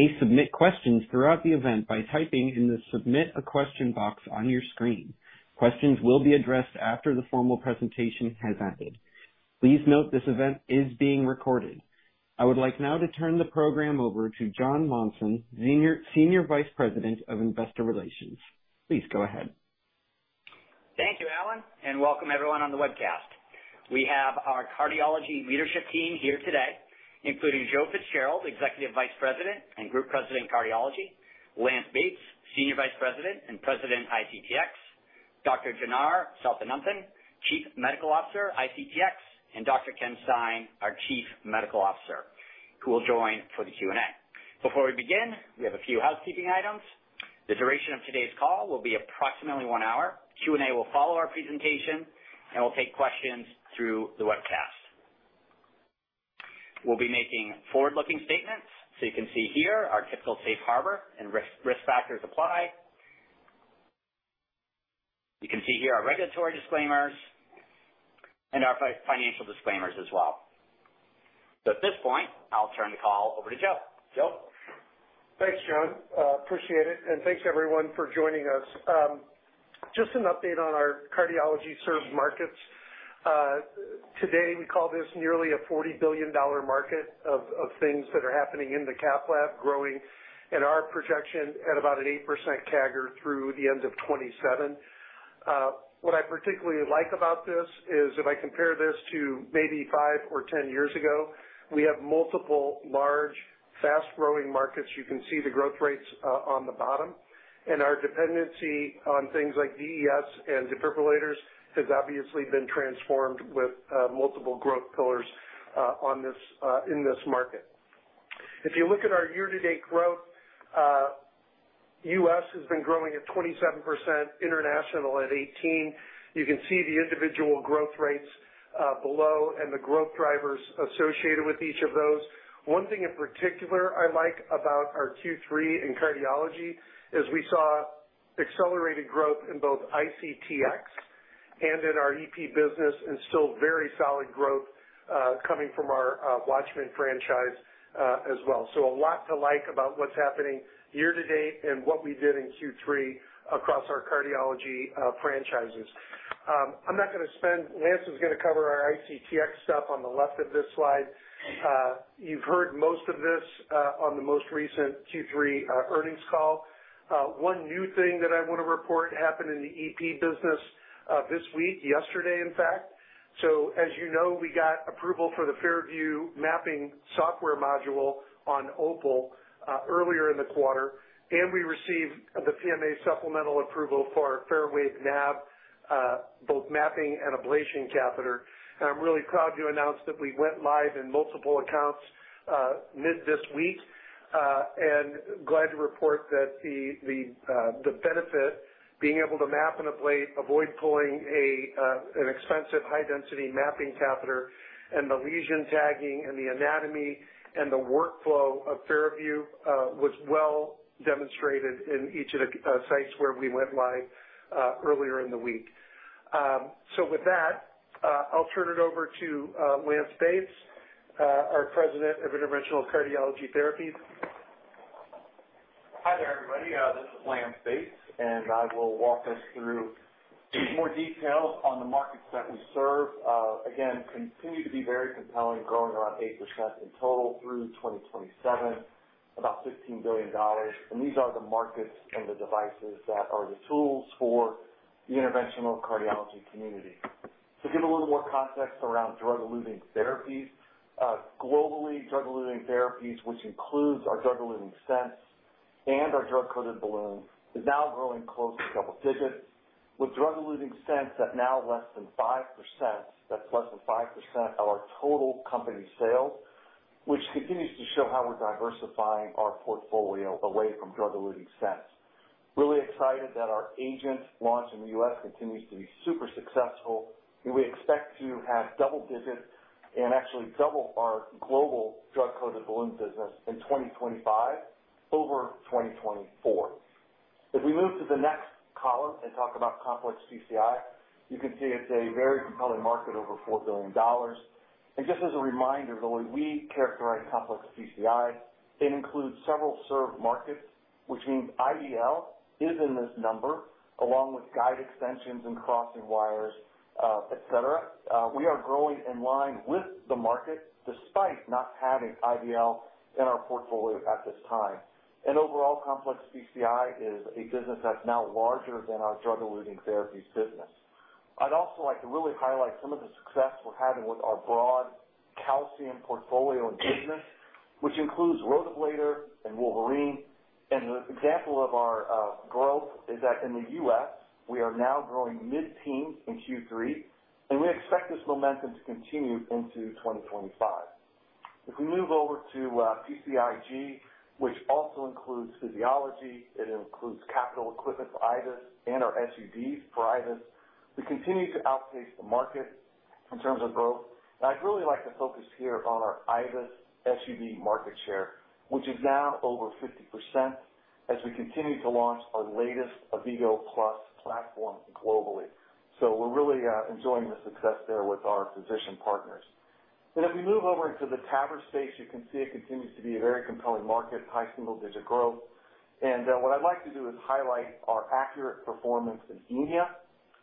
You may submit questions throughout the event by typing in the Submit a Question box on your screen. Questions will be addressed after the formal presentation has ended. Please note this event is being recorded. I would like now to turn the program over to Jon Monson, Senior Vice President of Investor Relations. Please go ahead. Thank you, Alan, and welcome everyone on the webcast. We have our Cardiology Leadership Team here today, including Joe Fitzgerald, Executive Vice President and Group President of Cardiology; Lance Bates, Senior Vice President and President of ICTx; Dr. Janar Sathananthan, Chief Medical Officer of ICTx; and Dr. Ken Stein, our Chief Medical Officer, who will join for the Q&A. Before we begin, we have a few housekeeping items. The duration of today's call will be approximately one hour. Q&A will follow our presentation, and we'll take questions through the webcast. We'll be making forward-looking statements. So you can see here our typical safe harbor and risk factors apply. You can see here our regulatory disclaimers and our financial disclaimers as well. So at this point, I'll turn the call over to Joe. Joe. Thanks, Jon. Appreciate it. And thanks, everyone, for joining us. Just an update on our cardiology-served markets. Today, we call this nearly a $40 billion market of things that are happening in the cath lab, growing in our projection at about an 8% CAGR through the end of 2027. What I particularly like about this is if I compare this to maybe five or ten years ago, we have multiple large, fast-growing markets. You can see the growth rates on the bottom. And our dependency on things like DES and defibrillators has obviously been transformed with multiple growth pillars in this market. If you look at our year-to-date growth, U.S. has been growing at 27%, international at 18%. You can see the individual growth rates below and the growth drivers associated with each of those. One thing in particular I like about our Q3 in cardiology is we saw accelerated growth in both ICTX and in our EP business, and still very solid growth coming from our Watchman franchise as well. So a lot to like about what's happening year-to-date and what we did in Q3 across our cardiology franchises. I'm not going to spend. Lance is going to cover our ICTX stuff on the left of this slide. You've heard most of this on the most recent Q3 earnings call. One new thing that I want to report happened in the EP business this week, yesterday, in fact. So as you know, we got approval for the FARAVIEW mapping software module on Opal earlier in the quarter, and we received the PMA supplemental approval for our FARAWAVE NAV, both mapping and ablation catheter. And I'm really proud to announce that we went live in multiple accounts mid this week. And glad to report that the benefit, being able to map and ablate, avoid pulling an expensive high-density mapping catheter, and the lesion tagging and the anatomy and the workflow of FARAVIEW was well demonstrated in each of the sites where we went live earlier in the week. So with that, I'll turn it over to Lance Bates, our President of Interventional Cardiology Therapies. Hi there, everybody. This is Lance Bates, and I will walk us through more details on the markets that we serve. Again, continue to be very compelling, growing around 8% in total through 2027, about $15 billion, and these are the markets and the devices that are the tools for the interventional cardiology community. To give a little more context around drug-eluting therapies, globally, drug-eluting therapies, which includes our drug-eluting stents and our drug-coated balloons, is now growing close to double digits. With drug-eluting stents at now less than 5%, that's less than 5% of our total company sales, which continues to show how we're diversifying our portfolio away from drug-eluting stents. Really excited that our AGENT launch in the U.S. continues to be super successful. We expect to have double digits and actually double our global drug-coated balloon business in 2025 over 2024. If we move to the next column and talk about Complex PCI, you can see it's a very compelling market over $4 billion. Just as a reminder, the way we characterize Complex PCI, it includes several served markets, which means IVL is in this number, along with guide extensions and crossing wires, etc. We are growing in line with the market despite not having IVL in our portfolio at this time. Overall, Complex PCI is a business that's now larger than our drug-eluting therapies business. I'd also like to really highlight some of the success we're having with our broad calcium portfolio and business, which includes Rotablator and Wolverine. An example of our growth is that in the U.S., we are now growing mid-teens in Q3, and we expect this momentum to continue into 2025. If we move over to PCIG, which also includes physiology, it includes capital equipment for IVUS and our SUD for IVUS, we continue to outpace the market in terms of growth. And I'd really like to focus here on our IVUS SUD market share, which is now over 50% as we continue to launch our latest AVVIGO+ platform globally. So we're really enjoying the success there with our physician partners. And if we move over into the TAVR space, you can see it continues to be a very compelling market, high single-digit growth. And what I'd like to do is highlight our ACURATE performance in EMEA,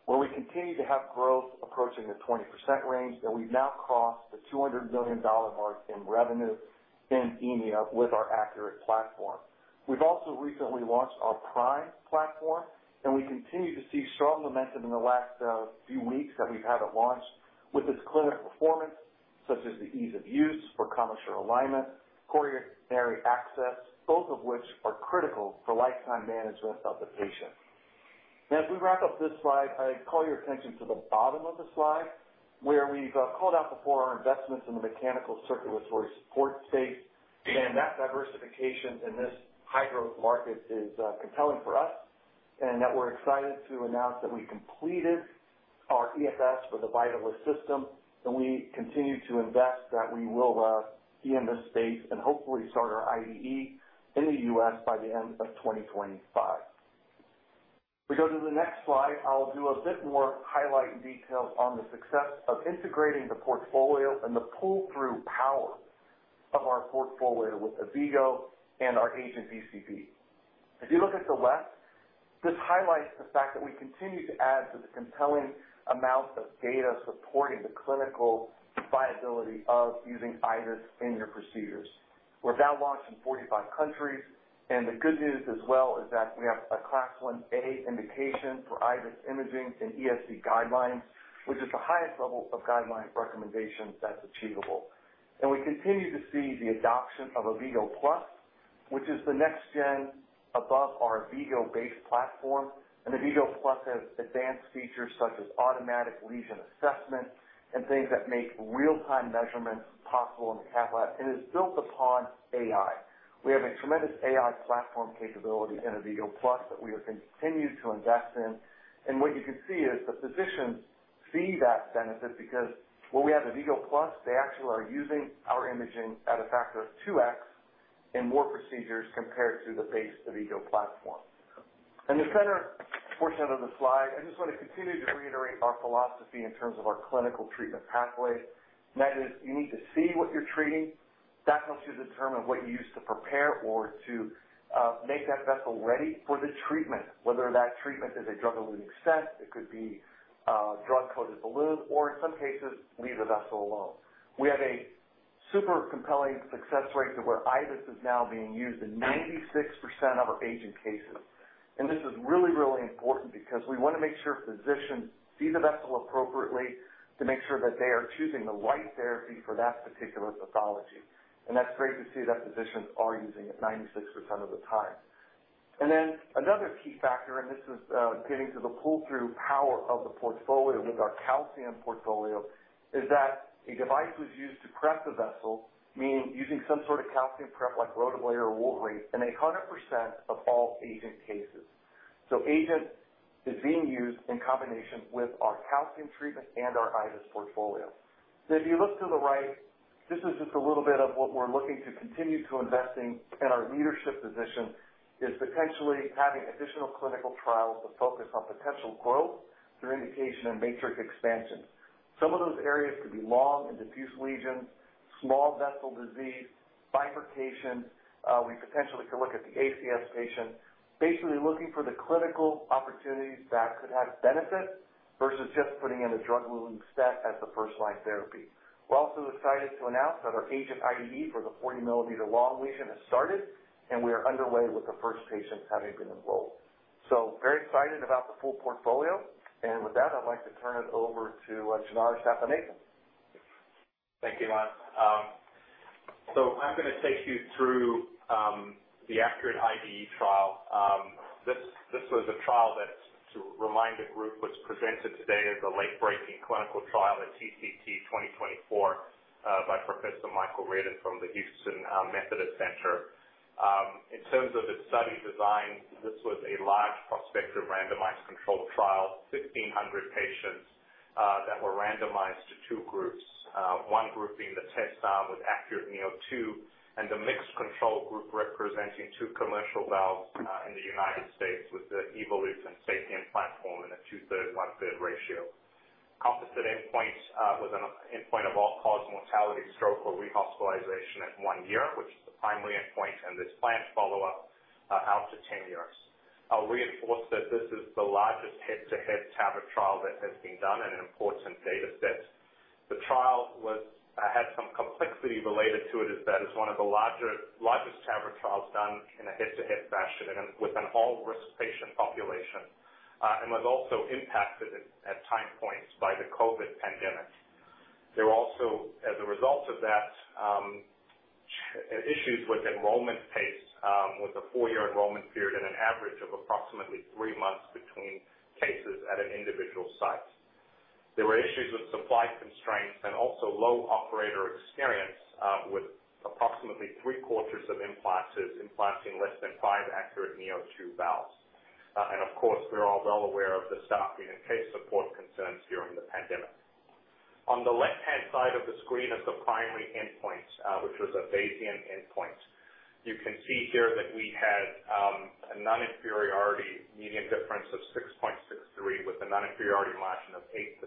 where we continue to have growth approaching the 20% range, and we've now crossed the $200 million mark in revenue in EMEA with our ACURATE platform. We've also recently launched our ACURATE Prime platform, and we continue to see strong momentum in the last few weeks that we've had at launch with its clinical performance, such as the ease of use for commissural alignment, coronary access, both of which are critical for lifetime management of the patient, and as we wrap up this slide, I'd call your attention to the bottom of the slide where we've called out before our investments in the mechanical circulatory support space, and that diversification in this high-growth market is compelling for us, and that we're excited to announce that we completed our EFS for the Vitalis system, and we continue to invest that we will be in this space and hopefully start our IDE in the U.S. by the end of 2025. If we go to the next slide, I'll do a bit more highlights and details on the success of integrating the portfolio and the pull-through power of our portfolio with AVVIGO+ and our AGENT DCB. If you look at the left, this highlights the fact that we continue to add to the compelling amount of data supporting the clinical viability of using IVUS in your procedures. We're now launched in 45 countries, and the good news as well is that we have a Class 1A indication for IVUS imaging in ESC guidelines, which is the highest level of guideline recommendation that's achievable, and we continue to see the adoption of AVVIGO+, which is the next-gen above our AVVIGO-based platform, and AVVIGO+ has advanced features such as automatic lesion assessment and things that make real-time measurements possible in the cath lab and is built upon AI. We have a tremendous AI platform capability in AVVIGO+ that we are continuing to invest in, and what you can see is the physicians see that benefit because when we have AVVIGO+, they actually are using our imaging at a factor of 2X in more procedures compared to the base AVVIGO+ platform. In the center portion of the slide, I just want to continue to reiterate our philosophy in terms of our clinical treatment pathways. That is, you need to see what you're treating. That helps you determine what you use to prepare or to make that vessel ready for the treatment, whether that treatment is a drug-eluting stent, it could be a drug-coated balloon, or in some cases, leave the vessel alone. We have a super compelling success rate to where IVUS is now being used in 96% of our AGENT cases. This is really, really important because we want to make sure physicians see the vessel appropriately to make sure that they are choosing the right therapy for that particular pathology. That's great to see that physicians are using it 96% of the time. Another key factor, and this is getting to the pull-through power of the portfolio with our calcium portfolio, is that a device was used to prep the vessel, meaning using some sort of calcium prep like Rotablator or Wolverine, in 100% of all Agent cases. Agent is being used in combination with our calcium treatment and our IVUS portfolio. If you look to the right, this is just a little bit of what we're looking to continue to invest in our leadership position, is potentially having additional clinical trials to focus on potential growth through indication and matrix expansion. Some of those areas could be long and diffuse lesions, small vessel disease, bifurcations. We potentially could look at the ACS patient, basically looking for the clinical opportunities that could have benefit versus just putting in a drug-eluting stent as the first-line therapy. We're also excited to announce that our AGENT IDE for the 40-millimeter long lesion has started, and we are underway with the first patients having been enrolled, so very excited about the full portfolio, and with that, I'd like to turn it over to Janar Sathananthan. Thank you, Lance, so I'm going to take you through the ACURATE IDE trial. This was a trial that, to remind the group, was presented today as a late-breaking clinical trial at TCT 2024 by Professor Michael Reardon from Houston Methodist. In terms of its study design, this was a large prospective randomized control trial, 1,600 patients that were randomized to two groups, one group being the test valve with ACURATE neo2 and the mixed control group representing two commercial valves in the United States with the Evolut and Sapien platform in a two-thirds, one-third ratio. Composite endpoint was an endpoint of all-cause mortality, stroke or rehospitalization at one year, which is the primary endpoint, and this planned follow-up out to 10 years. I'll reinforce that this is the largest head-to-head TAVR trial that has been done and an important data set. The trial had some complexity related to it as that it's one of the largest TAVR trials done in a head-to-head fashion with an all-risk patient population and was also impacted at time points by the COVID pandemic. There were also, as a result of that, issues with enrollment pace, with a four-year enrollment period and an average of approximately three months between cases at an individual site. There were issues with supply constraints and also low operator experience with approximately three-quarters of implants implanting less than five ACURATE neo2 valves. And of course, we're all well aware of the staffing and case support concerns during the pandemic. On the left-hand side of the screen is the primary endpoint, which was a Bayesian endpoint. You can see here that we had a non-inferiority median difference of 6.63 with a non-inferiority margin of 8%,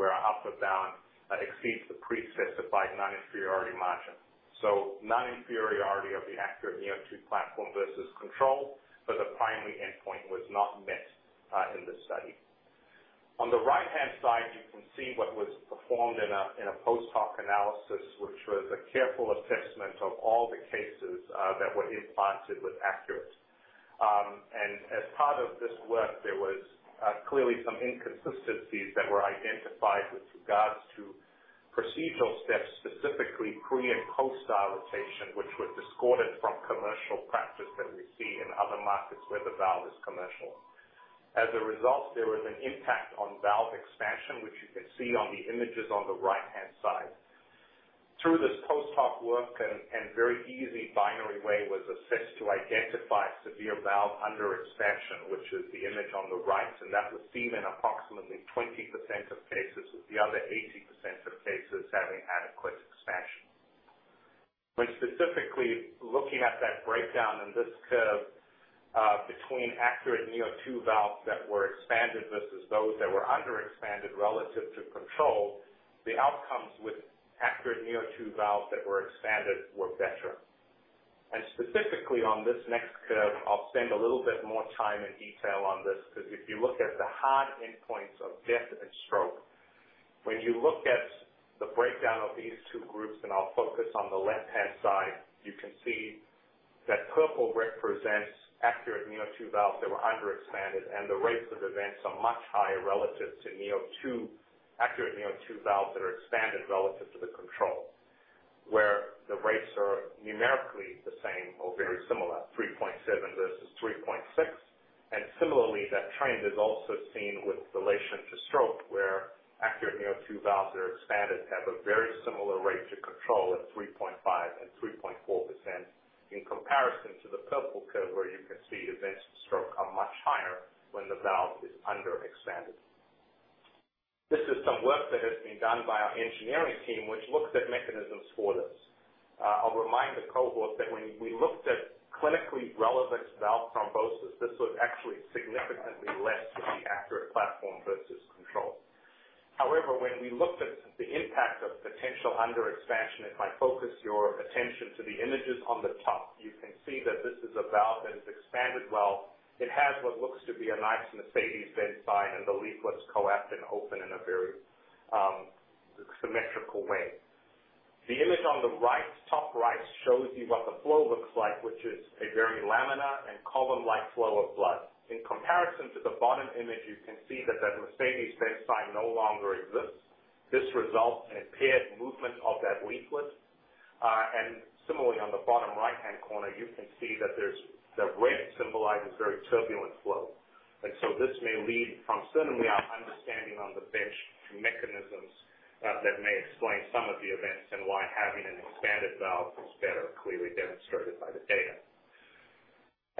where our alpha bound exceeds the pre-specified non-inferiority margin. So non-inferiority of the ACURATE neo2 platform versus control, but the primary endpoint was not met in this study. On the right-hand side, you can see what was performed in a post-hoc analysis, which was a careful assessment of all the cases that were implanted with ACURATE. As part of this work, there was clearly some inconsistencies that were identified with regards to procedural steps, specifically pre- and post-dilatation, which were discordant from commercial practice that we see in other markets where the valve is commercial. As a result, there was an impact on valve expansion, which you can see on the images on the right-hand side. Through this post-hoc work, a very easy binary way was assessed to identify severe valve under-expansion, which is the image on the right, and that was seen in approximately 20% of cases, with the other 80% of cases having adequate expansion. When specifically looking at that breakdown in this curve between ACURATE neo2 valves that were expanded versus those that were underexpanded relative to control, the outcomes with ACURATE neo2 valves that were expanded were better. Specifically on this next curve, I'll spend a little bit more time in detail on this because if you look at the hard endpoints of death and stroke, when you look at the breakdown of these two groups, and I'll focus on the left-hand side, you can see that purple represents ACURATE neo2 valves that were underexpanded, and the rates of events are much higher relative to ACURATE neo2 valves that are expanded relative to the control, where the rates are numerically the same or very similar, 3.7 versus 3.6. Similarly, that trend is also seen with relation to stroke, where ACURATE neo2 valves that are expanded have a very similar rate to control at 3.5% and 3.4% in comparison to the purple curve, where you can see events of stroke are much higher when the valve is underexpanded. This is some work that has been done by our engineering team, which looks at mechanisms for this. I'll remind the cohort that when we looked at clinically relevant valve thrombosis, this was actually significantly less with the ACURATE platform versus control. However, when we looked at the impact of potential underexpansion, if I focus your attention to the images on the top, you can see that this is a valve that is expanded well. It has what looks to be a nice Mercedes-Benz sign, and the leaflets coapt and open in a very symmetrical way. The image on the top right shows you what the flow looks like, which is a very laminar and column-like flow of blood. In comparison to the bottom image, you can see that that Mercedes-Benz sign no longer exists. This results in impaired movement of that leaflet, and similarly, on the bottom right-hand corner, you can see that the red symbolizes very turbulent flow, and so this may lead from certainly our understanding on the bench to mechanisms that may explain some of the events and why having an expanded valve is better, clearly demonstrated by the data.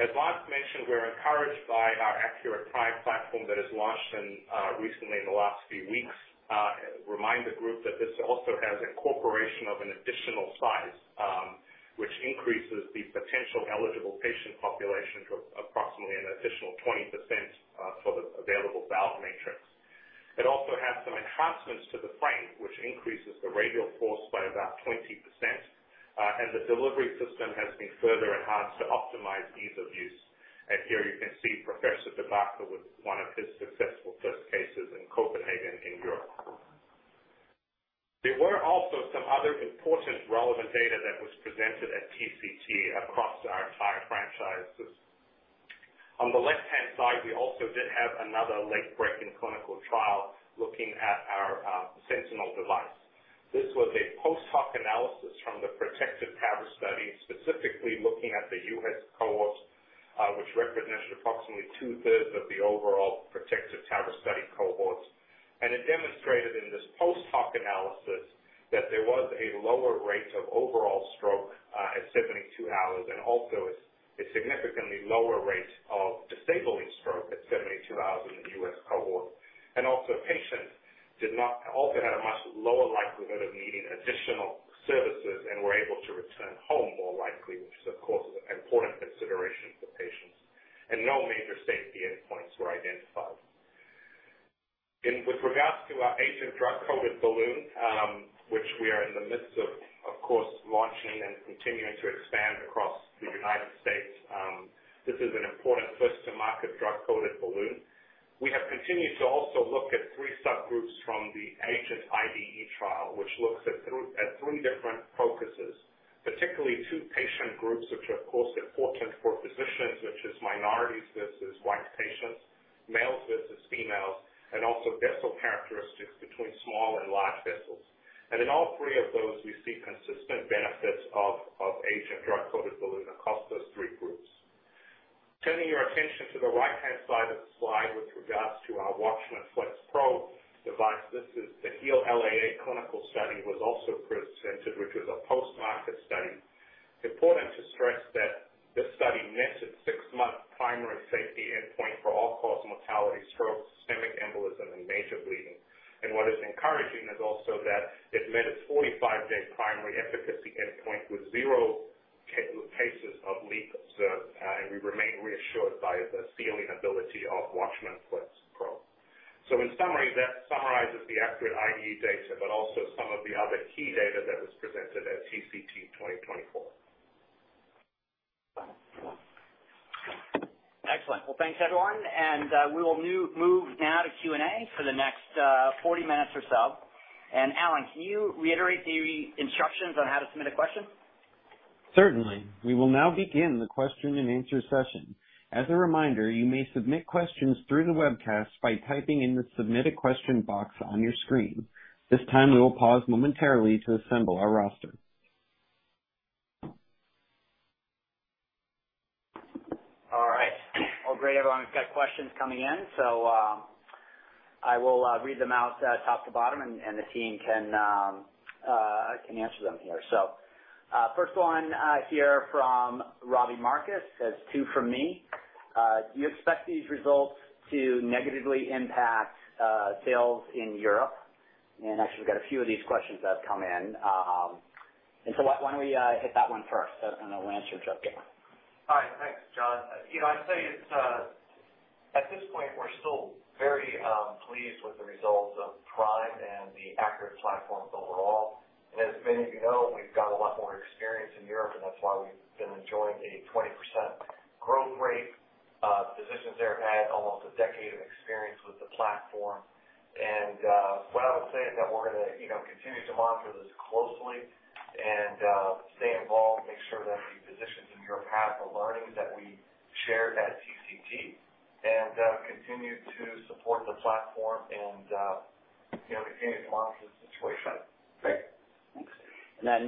As Lance mentioned, we're encouraged by our ACURATE Prime platform that has launched recently in the last few weeks. I remind the group that this also has incorporation of an additional size, which increases the potential eligible patient population to approximately an additional 20% for the available valve matrix. It also has some enhancements to the frame, which increases the radial force by about 20%, and the delivery system has been further enhanced to optimize ease of use. And here you can see Professor De Backer with one of his successful test cases in Copenhagen in Europe. There were also some other important relevant data that was presented at TCT across our entire franchise. On the left-hand side, we also did have another late-breaking clinical trial looking at our Sentinel device. This was a post-hoc analysis from the protective TAVR study, specifically looking at the U.S. cohort, which represented approximately two-thirds of the overall protective TAVR study cohort. And it demonstrated in this post-hoc analysis that there was a lower rate of overall stroke at 72 hours and also a significantly lower rate of disabling stroke at 72 hours in the U.S. cohort. Also, patients also had a much lower likelihood of needing additional services and were able to return home more likely, which is, of course, an important consideration for patients. No major safety endpoints were identified. With regards to our AGENT drug-coated balloon, which we are in the midst of, of course, launching and continuing to expand across the United States, this is an important first-to-market drug-coated balloon. We have continued to also look at three subgroups from the AGENT IDE trial, which looks at three different focuses, particularly two patient groups, which are, of course, important for physicians, which is minorities versus white patients, males versus females, and also vessel characteristics between small and large vessels. In all three of those, we see consistent benefits of AGENT drug-coated balloon across those three groups. Turning your attention to the right-hand side of the slide with regards to our Watchman FLX Pro device, this, the HEAL-LAA clinical study, was also presented, which was a post-market study. Important to stress that this study met its six-month primary safety endpoint for all-cause mortality, stroke, systemic embolism, and major bleeding, and what is encouraging is also that it met its 45-day primary efficacy endpoint with zero cases of leak observed, and we remain reassured by the sealing ability of Watchman FLX Pro, so in summary, that summarizes the ACURATE IDE data, but also some of the other key data that was presented at TCT 2024. Excellent. Well, thanks, everyone. And we will move now to Q&A for the next 40 minutes or so. And Alan, can you reiterate the instructions on how to submit a question? Certainly. We will now begin the question-and-answer session. As a reminder, you may submit questions through the webcast by typing in the Submit a Question box on your screen. This time, we will pause momentarily to assemble our roster. All right. Well, great, everyone. We've got questions coming in, so I will read them out top to bottom, and the team can answer them here. So first one here from Robbie Marcus has two from me. Do you expect these results to negatively impact sales in Europe? And actually, we've got a few of these questions that have come in. And so why don't we hit that one first, and then we'll answer each other. Hi. Thanks, John. I'd say at this point, we're still very pleased with the results of Prime and the ACURATE platform overall, and as many of you know, we've got a lot more experience in Europe, and that's why we've been enjoying a 20% growth rate. Physicians there have had almost a decade of experience with the platform, and what I would say is that we're going to continue to monitor this closely and stay involved, make sure that the physicians in Europe have the learnings that we shared at TCT, and continue to support the platform and continue to monitor the situation. Great. Thanks. And then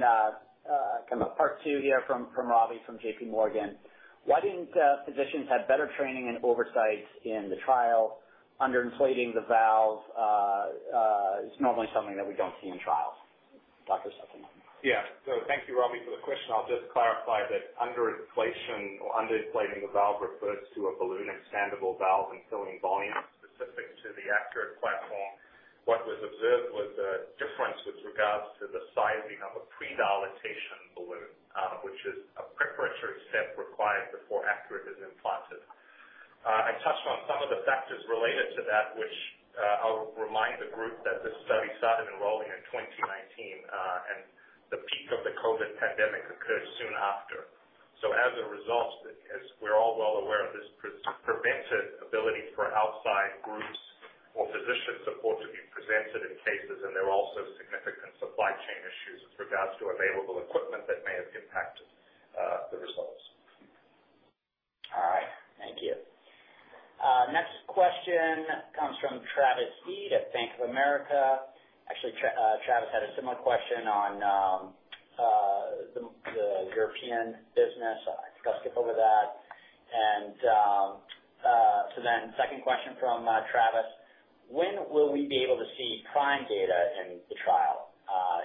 kind of part two here from Robbie from J.P. Morgan. Why didn't physicians have better training and oversight in the trial under-inflating the valve? It's normally something that we don't see in trials. Dr. Sathananthan. Yeah. So thank you, Robbie, for the question. I'll just clarify that under-inflating the valve refers to a balloon expandable valve and filling volume specific to the ACURATE platform. What was observed was a difference with regards to the sizing of a pre-dilatation balloon, which is a preparatory step required before ACURATE is implanted. I touched on some of the factors related to that, which I'll remind the group that this study started enrolling in 2019, and the peak of the COVID pandemic occurred soon after. So as a result, as we're all well aware, this prevented ability for outside groups or physician support to be presented in cases, and there were also significant supply chain issues with regards to available equipment that may have impacted the results. All right. Thank you. Next question comes from Travis Steed at Bank of America. Actually, Travis had a similar question on the European business. I think I'll skip over that. And so then second question from Travis. When will we be able to see Prime data in the trial?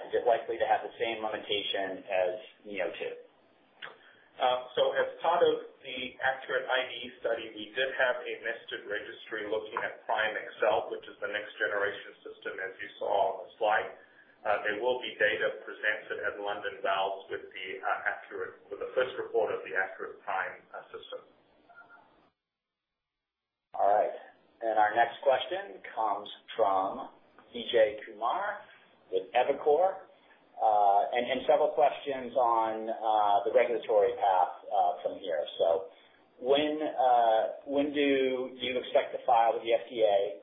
Is it likely to have the same limitation as neo2? As part of the ACURATE IDE study, we did have a nested registry looking at PRIME-XL, which is the next-generation system, as you saw on the slide. There will be data presented at London Valves with the first report of the ACURATE PRIME system. All right. And our next question comes from Vijay Kumar with Evercore ISI. And several questions on the regulatory path from here. So when do you expect to file with the FDA?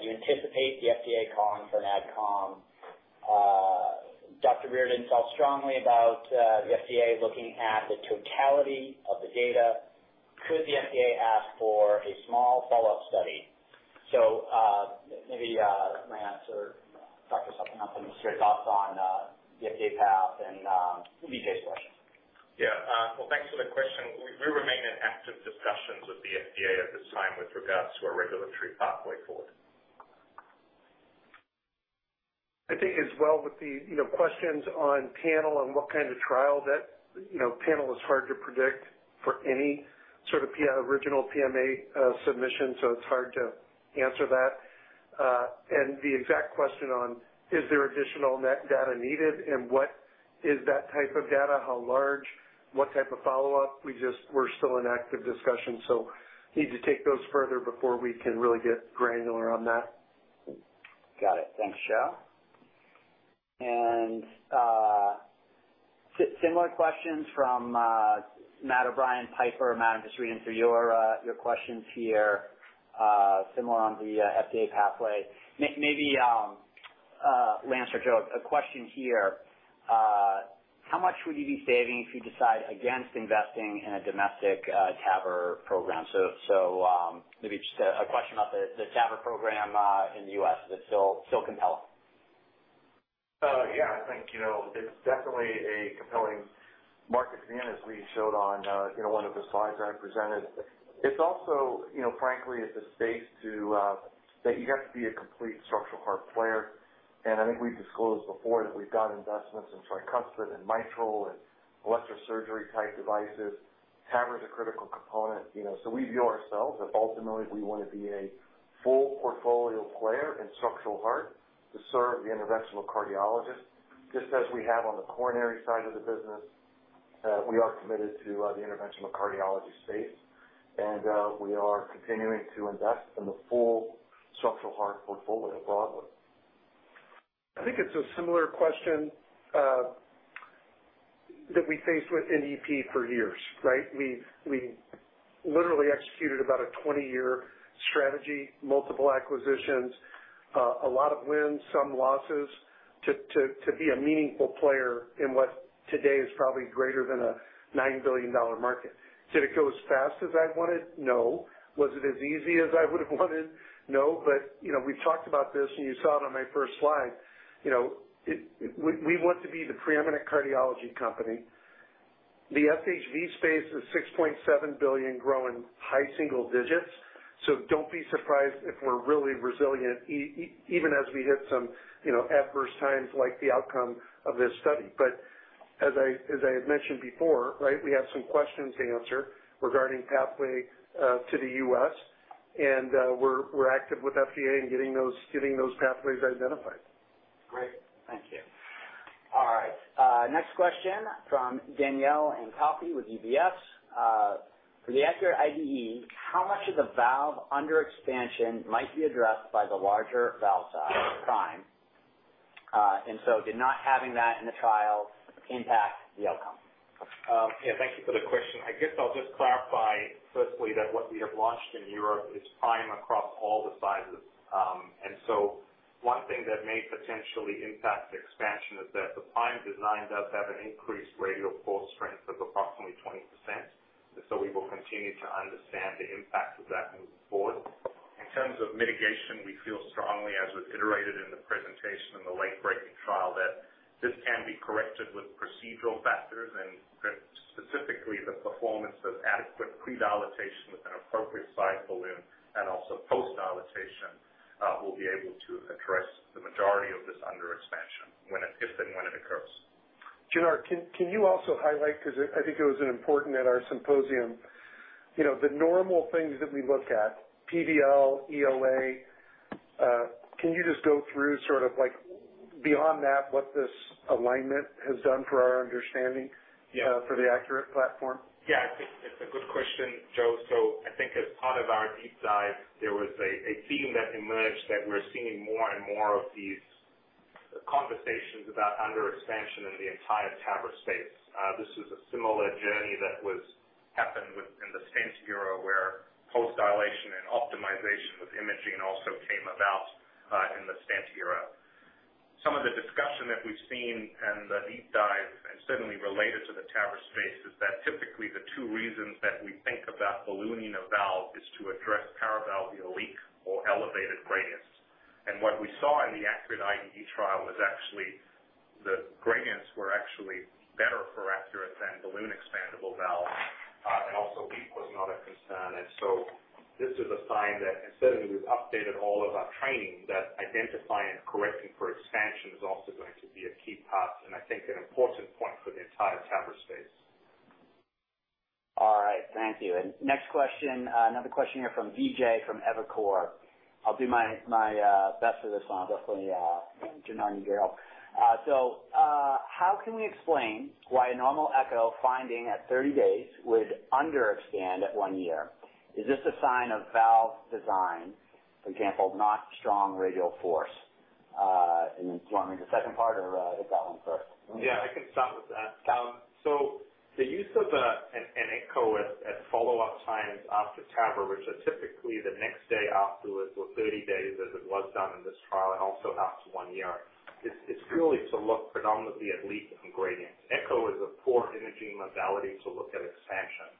Do you anticipate the FDA calling for an adcom? Dr. Reardon felt strongly about the FDA looking at the totality of the data. Could the FDA ask for a small follow-up study? So maybe may I ask Dr. Sathananthan some of your thoughts on the FDA path and Vijay's question? Yeah. Well, thanks for the question. We remain in active discussions with the FDA at this time with regards to our regulatory pathway forward. I think as well with the questions on panel and what kind of trial that panel is hard to predict for any sort of original PMA submission, so it's hard to answer that, and the exact question on is there additional data needed and what is that type of data, how large, what type of follow-up, we just were still in active discussion, so need to take those further before we can really get granular on that. Got it. Thanks, Joe. And similar questions from Matt O'Brien, Piper Sandler. Just reading through your questions here, similar on the FDA pathway. Maybe Lance or Joe, a question here. How much would you be saving if you decide against investing in a domestic TAVR program? So maybe just a question about the TAVR program in the U.S. Is it still compelling? Yeah. I think it's definitely a compelling market demand, as we showed on one of the slides I presented. It's also, frankly, at the stakes that you have to be a complete structural heart player. And I think we've disclosed before that we've done investments in tricuspid and mitral and electrosurgery-type devices. TAVR is a critical component. So we view ourselves that ultimately we want to be a full portfolio player in structural heart to serve the interventional cardiologist. Just as we have on the coronary side of the business, we are committed to the interventional cardiology space, and we are continuing to invest in the full structural heart portfolio broadly. I think it's a similar question that we faced with NEP for years, right? We literally executed about a 20-year strategy, multiple acquisitions, a lot of wins, some losses, to be a meaningful player in what today is probably greater than a $9 billion market. Did it go as fast as I wanted? No. Was it as easy as I would have wanted? No. But we've talked about this, and you saw it on my first slide. We want to be the preeminent cardiology company. The FHV space is $6.7 billion growing high single digits, so don't be surprised if we're really resilient, even as we hit some adverse times like the outcome of this study. But as I had mentioned before, right, we have some questions to answer regarding pathway to the U.S., and we're active with FDA in getting those pathways identified. Great. Thank you. All right. Next question from Danielle Antalffy with UBS. For the ACURATE IDE, how much of the valve under-expansion might be addressed by the larger valve size Prime? And so did not having that in the trial impact the outcome? Yeah. Thank you for the question. I guess I'll just clarify firstly that what we have launched in Europe is PRIME across all the sizes, and so one thing that may potentially impact expansion is that the PRIME design does have an increased radial force strength of approximately 20%, and so we will continue to understand the impact of that moving forward. In terms of mitigation, we feel strongly, as was iterated in the presentation in the late-breaking trial, that this can be corrected with procedural factors, and specifically the performance of adequate predilatation with an appropriate size balloon and also post-dilatation will be able to address the majority of this under-expansion if and when it occurs. Janar, can you also highlight, because I think it was important at our symposium, the normal things that we look at, PVL, EOA? Can you just go through sort of beyond that, what this alignment has done for our understanding for the ACURATE platform? Yeah. I think it's a good question, Joe. So I think as part of our deep dive, there was a theme that emerged that we're seeing more and more of these conversations about under-expansion in the entire TAVR space. This was a similar journey that happened in the stent era, where post-dilation and optimization with imaging also came about in the stent era. Some of the discussion that we've seen and the deep dive, and certainly related to the TAVR space, is that typically the two reasons that we think about ballooning a valve is to address paravalvular leak or elevated gradients. And what we saw in the ACURATE IDE trial was actually the gradients were actually better for ACURATE than balloon-expandable valves. And also leak was not a concern. This is a sign that, instead, we've updated all of our training, that identifying and correcting for expansion is also going to be a key part, and I think an important point for the entire TAVR space. All right. Thank you. And next question, another question here from Vijay from Evercore ISI. I'll do my best for this one. I'll definitely turn on you, Janar. So how can we explain why a normal echo finding at 30 days would under-expand at one year? Is this a sign of valve design, for example, not strong radial force? And then do you want me to read the second part or hit that one first? Yeah. I can start with that. So the use of an echo at follow-up times after TAVR, which are typically the next day afterwards or 30 days as it was done in this trial and also after one year, is purely to look predominantly at leak and gradients. Echo is a poor imaging modality to look at expansion.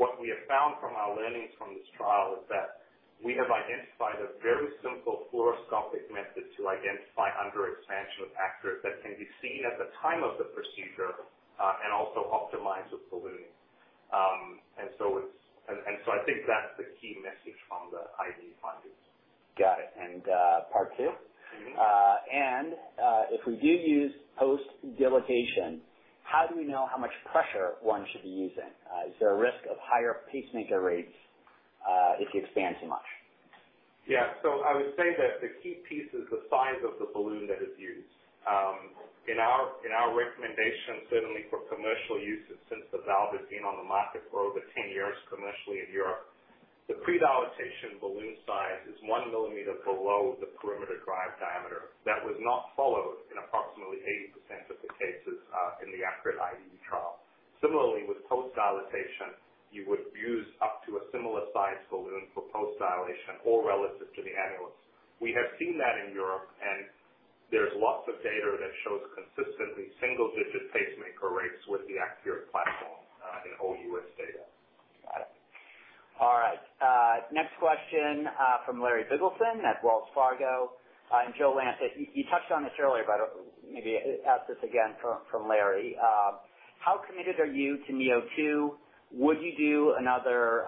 What we have found from our learnings from this trial is that we have identified a very simple fluoroscopic method to identify under-expansion factors that can be seen at the time of the procedure and also optimize with ballooning. And so I think that's the key message from the IVE findings. Got it, and part two? Mm-hmm. If we do use post-dilatation, how do we know how much pressure one should be using? Is there a risk of higher pacemaker rates if you expand too much? Yeah. So I would say that the key piece is the size of the balloon that is used. In our recommendation, certainly for commercial use, since the valve has been on the market for over 10 years commercially in Europe, the pre-dilatation balloon size is one millimeter below the perimeter-derived diameter. That was not followed in approximately 80% of the cases in the ACURATE IDE trial. Similarly, with post-dilatation, you would use up to a similar size balloon for post-dilatation or relative to the annulus. We have seen that in Europe, and there's lots of data that shows consistently single-digit pacemaker rates with the ACURATE platform in all U.S. data. Got it. All right. Next question from Larry Biegelsen at Wells Fargo. And Joe, you touched on this earlier, but maybe ask this again from Larry. How committed are you to neo2? Would you do another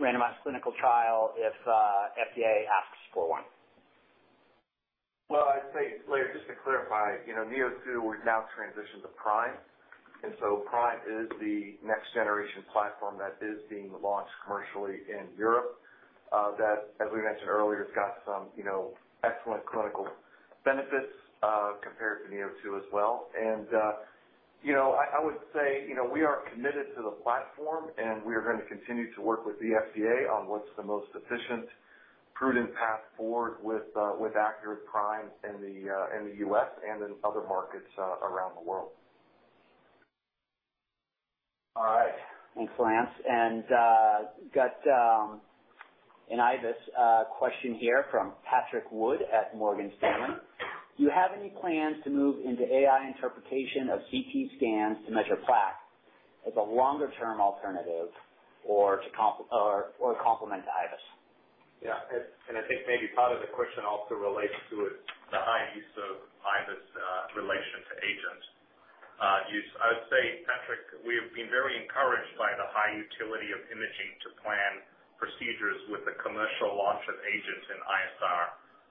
randomized clinical trial if FDA asks for one? I'd say, Larry, just to clarify, neo2, we've now transitioned to PRIME. PRIME is the next-generation platform that is being launched commercially in Europe that, as we mentioned earlier, has got some excellent clinical benefits compared to neo2 as well. I would say we are committed to the platform, and we are going to continue to work with the FDA on what's the most efficient, prudent path forward with ACURATE Prime in the U.S. and in other markets around the world. All right. Thanks, Lance. And I've got an IVUS question here from Patrick Wood at Morgan Stanley. Do you have any plans to move into AI interpretation of CT scans to measure plaque as a longer-term alternative or to complement the IVUS? Yeah. And I think maybe part of the question also relates to the high use of IVUS in relation to AGENT use. I would say, Patrick, we have been very encouraged by the high utility of imaging to plan procedures with the commercial launch of AGENT in ISR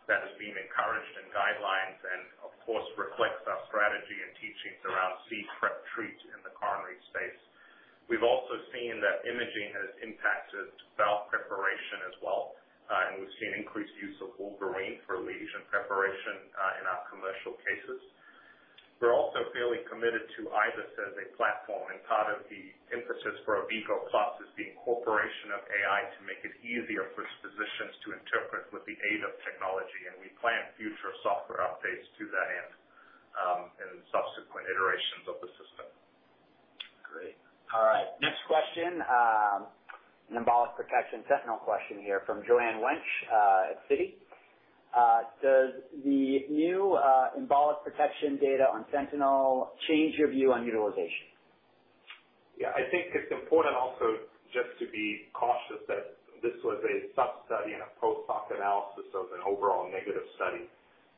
that has been encouraged in guidelines and, of course, reflects our strategy and teachings around prep-treat in the coronary space. We've also seen that imaging has impacted valve preparation as well, and we've seen increased use of Wolverine for lesion preparation in our commercial cases. We're also fairly committed to IVUS as a platform, and part of the emphasis for AVVIGO+ is the incorporation of AI to make it easier for physicians to interpret with the aid of technology, and we plan future software updates to that end in subsequent iterations of the system. Great. All right. Next question, an embolic protection Sentinel question here from Joanne Wuensch at Citi. Does the new embolic protection data on Sentinel change your view on utilization? Yeah. I think it's important also just to be cautious that this was a sub-study and a post-hoc analysis of an overall negative study.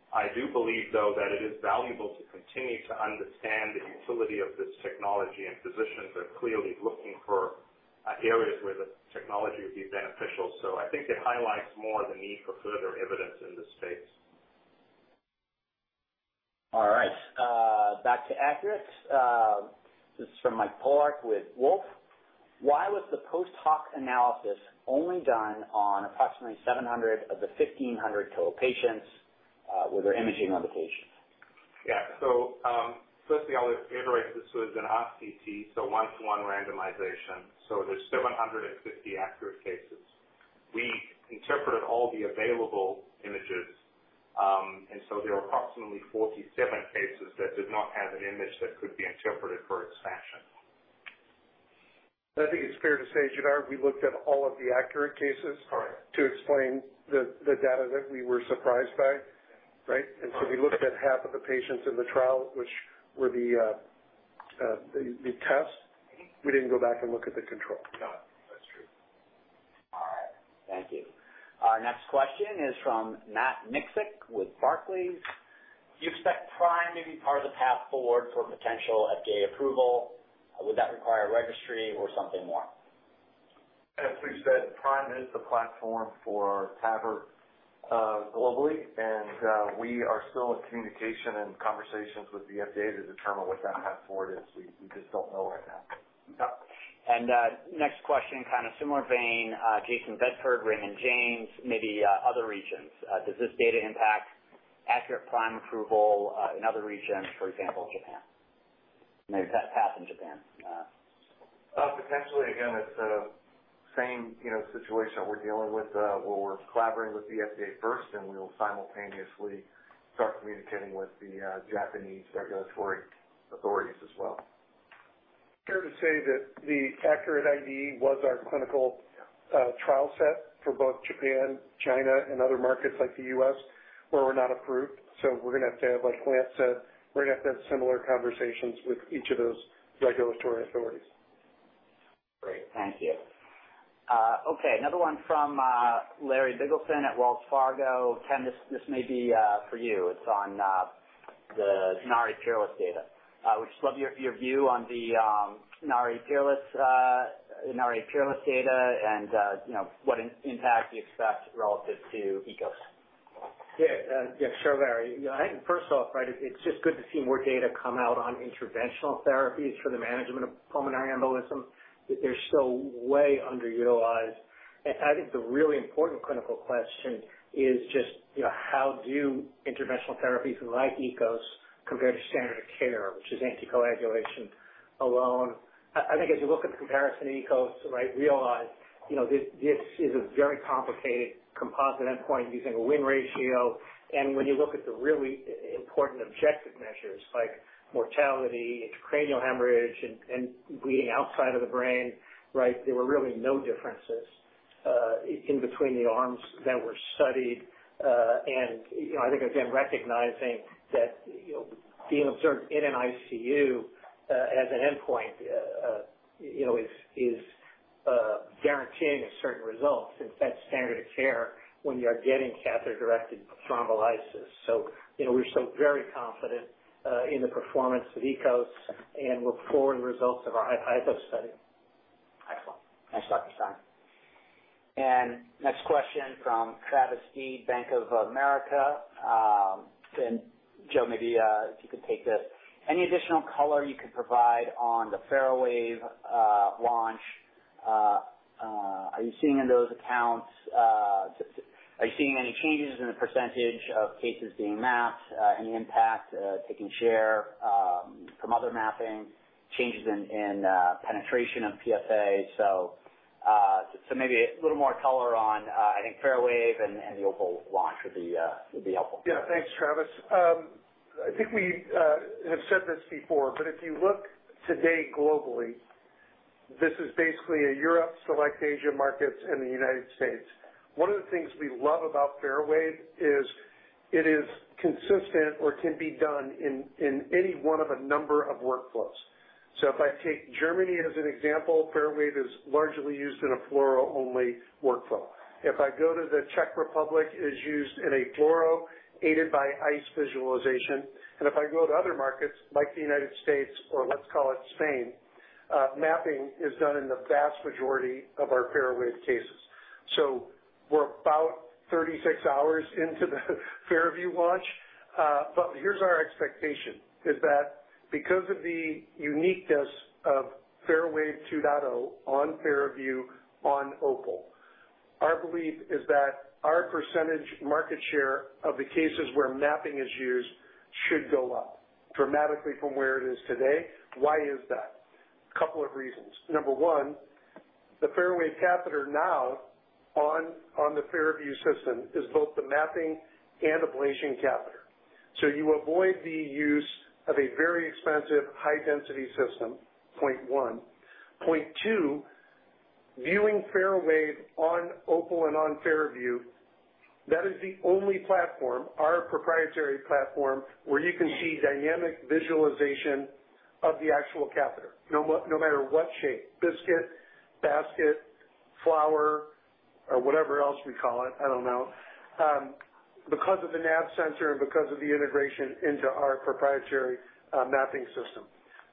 I do believe, though, that it is valuable to continue to understand the utility of this technology, and physicians are clearly looking for areas where the technology would be beneficial. So I think it highlights more the need for further evidence in this space. All right. Back to ACURATE. This is from Mike Polark with Wolfe. Why was the post-hoc analysis only done on approximately 700 of the 1,500 total patients? Were there imaging on the patients? Yeah. So firstly, I'll reiterate this was an RCT, so one-to-one randomization. So there's 750 ACURATE cases. We interpreted all the available images, and so there were approximately 47 cases that did not have an image that could be interpreted for expansion. I think it's fair to say, Judar, we looked at all of the ACURATE cases to explain the data that we were surprised by, right? And so we looked at half of the patients in the trial, which were the test. We didn't go back and look at the control. No. That's true. All right. Thank you. Our next question is from Matt Miksic with Barclays. Do you expect PRIME to be part of the path forward for potential FDA approval? Would that require a registry or something more? I'd say PRIME is the platform for TAVR globally, and we are still in communication and conversations with the FDA to determine what that path forward is. We just don't know right now. Yep. And next question, kind of similar vein, Jason Bedford, Raymond James, maybe other regions. Does this data impact ACURATE Prime approval in other regions, for example, Japan? Maybe path in Japan. Potentially. Again, it's the same situation we're dealing with. We're collaborating with the FDA first, and we will simultaneously start communicating with the Japanese regulatory authorities as well. Fair to say that the ACURATE IDE was our clinical trial set for both Japan, China, and other markets like the U.S., where we're not approved. So we're going to have to, like Lance said, we're going to have to have similar conversations with each of those regulatory authorities. Great. Thank you. Okay. Another one from Larry Biegelsen at Wells Fargo. Ken, this may be for you. It's on the Inari Peerless data. We'd just love your view on the Inari Peerless data and what impact you expect relative to EKOS. Yeah. Yeah. Sure, Larry. I think, first off, right, it's just good to see more data come out on interventional therapies for the management of pulmonary embolism. They're still way underutilized. I think the really important clinical question is just how do interventional therapies like EKOS compare to standard of care, which is anticoagulation alone? I think as you look at the comparison to EKOS, right, realize this is a very complicated composite endpoint using a win ratio. And when you look at the really important objective measures like mortality, intracranial hemorrhage, and bleeding outside of the brain, right, there were really no differences in between the arms that were studied. And I think, again, recognizing that being observed in an ICU as an endpoint is guaranteeing a certain result since that's standard of care when you are getting catheter-directed thrombolysis. So we're so very confident in the performance of ECOS, and we're forwarding results of our IVUS study. Excellent. Thanks, Dr. Stein. And next question from Travis Steed, Bank of America. And Joe, maybe if you could take this. Any additional color you could provide on the FARAWAVE launch? Are you seeing in those accounts? Are you seeing any changes in the percentage of cases being mapped? Any impact taking share from other mapping? Changes in penetration of PFA? So maybe a little more color on, I think, FARAWAVE and the Opal launch would be helpful. Yeah. Thanks, Travis. I think we have said this before, but if you look today globally, this is basically a Europe, select Asia markets, and the United States. One of the things we love about FARAWAVE is it is consistent or can be done in any one of a number of workflows. So if I take Germany as an example, FARAWAVE is largely used in a fluoro-only workflow. If I go to the Czech Republic, it is used in a fluoro aided by ICE visualization. If I go to other markets, like the United States or let's call it Spain, mapping is done in the vast majority of our FARAWAVE cases. So we're about 36 hours into the FARAWAVE launch, but here's our expectation, is that because of the uniqueness of FARAWAVE NAV on FARAPULSE on Opal, our belief is that our percentage market share of the cases where mapping is used should go up dramatically from where it is today. Why is that? A couple of reasons. Number one, the FARAWAVE catheter now on the FARAPULSE system is both the mapping and ablation catheter. So you avoid the use of a very expensive high-density system, point one. Point two, viewing FARAWAVE on Opal and on FARAPULSE, that is the only platform, our proprietary platform, where you can see dynamic visualization of the actual catheter, no matter what shape: basket, basket, flower, or whatever else we call it. I don't know. Because of the NAV center and because of the integration into our proprietary mapping system.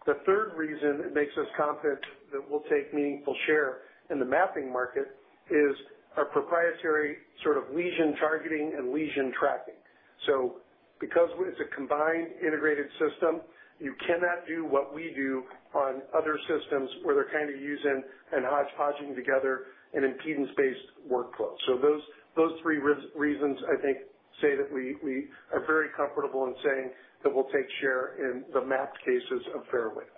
The third reason it makes us confident that we'll take meaningful share in the mapping market is our proprietary sort of lesion targeting and lesion tracking. So because it's a combined integrated system, you cannot do what we do on other systems where they're kind of using and hodgepodging together an impedance-based workflow. So those three reasons, I think, say that we are very comfortable in saying that we'll take share in the mapped cases of FARAWAVE.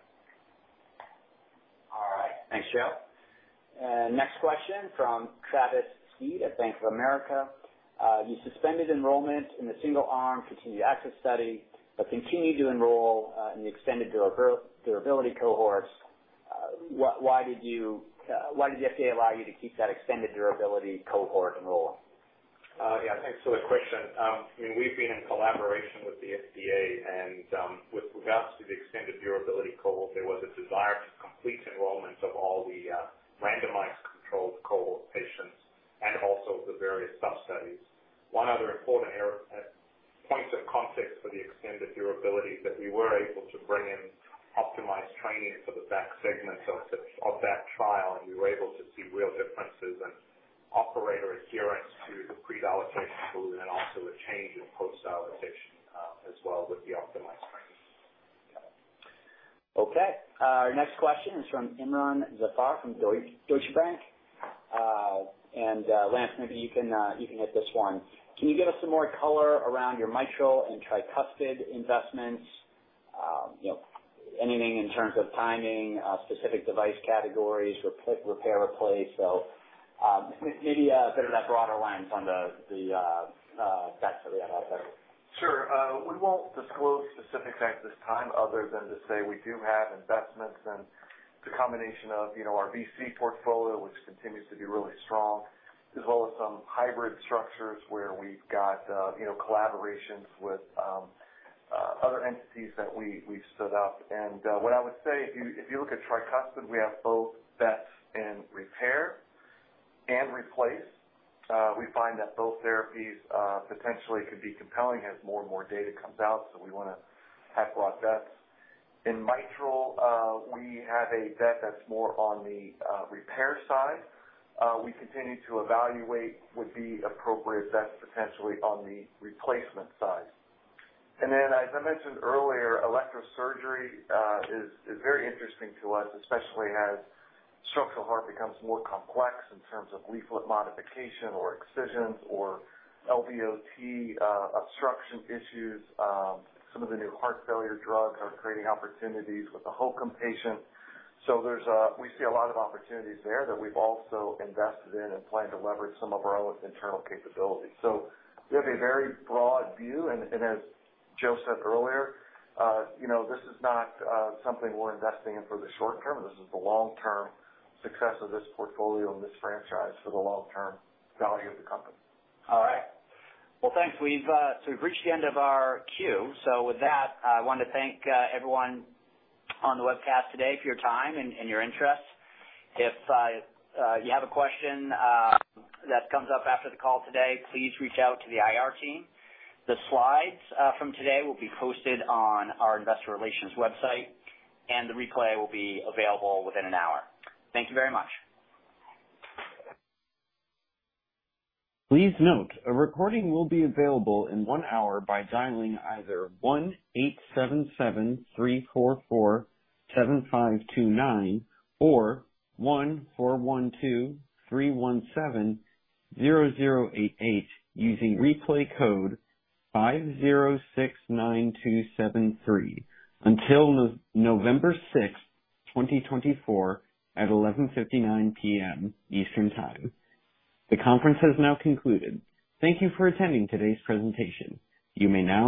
All right. Thanks, Joe. And next question from Travis Steed at Bank of America. You suspended enrollment in the single-arm continued access study but continued to enroll in the extended durability cohorts. Why did the FDA allow you to keep that extended durability cohort enrolled? Yeah. Thanks for the question. I mean, we've been in collaboration with the FDA, and with regards to the extended durability cohort, there was a desire to complete enrollment of all the randomized controlled cohort patients and also the various sub-studies. One other important point of context for the extended durability is that we were able to bring in optimized training for the back segment of that trial, and we were able to see real differences in operator adherence to the pre-dilatation and also a change in post-dilatation as well with the optimized training. Okay. Okay. Our next question is from Imron Zafar from Deutsche Bank. And Lance, maybe you can hit this one. Can you give us some more color around your mitral and tricuspid investments? Anything in terms of timing, specific device categories, repair, replace? So maybe a bit of that broader lens on the facts that we have out there. Sure. We won't disclose specifics at this time other than to say we do have investments and the combination of our VC portfolio, which continues to be really strong, as well as some hybrid structures where we've got collaborations with other entities that we've stood up. And what I would say, if you look at tricuspid, we have both bets in repair and replace. We find that both therapies potentially could be compelling as more and more data comes out, so we want to have broad bets. In mitral, we have a bet that's more on the repair side. We continue to evaluate what would be appropriate bets potentially on the replacement side. And then, as I mentioned earlier, elective surgery is very interesting to us, especially as structural heart becomes more complex in terms of leaflet modification or excisions or LVOT obstruction issues. Some of the new heart failure drugs are creating opportunities with the HOCM patient. So we see a lot of opportunities there that we've also invested in and plan to leverage some of our own internal capabilities. So we have a very broad view, and as Joe said earlier, this is not something we're investing in for the short term. This is the long-term success of this portfolio and this franchise for the long-term value of the company. All right. Well, thanks. So we've reached the end of our queue. So with that, I want to thank everyone on the webcast today for your time and your interest. If you have a question that comes up after the call today, please reach out to the IR team. The slides from today will be posted on our investor relations website, and the replay will be available within an hour. Thank you very much. Please note, a recording will be available in one hour by dialing either 1-877-344-7529 or 1-412-317-0088 using replay code 5069273 until November 6th, 2024, at 11:59 P.M. Eastern Time. The conference has now concluded. Thank you for attending today's presentation. You may now.